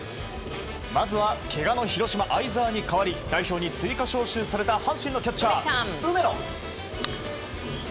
まずはけがの広島、相澤に代わり代表に追加招集された阪神のキャッチャー、梅野。